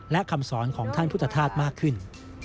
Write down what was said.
และคำสอนของท่านพุทธธาตุมากขึ้น